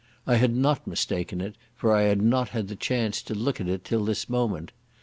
I had not mistaken it, for I had not had the chance to look at it till this moment.